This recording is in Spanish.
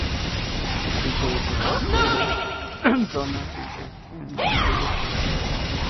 Su pico es de color ocre, con zonas grises en en la mandíbula superior.